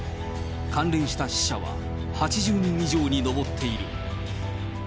関連した死者は８０人以上に上っている。